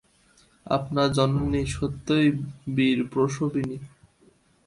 আপনার জননী সত্যই বীরপ্রসবিনী।